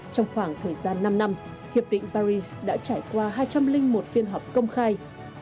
trong khoảng thời gian năm năm hiệp định paris đã trải qua hai trăm linh một phiên họp công khai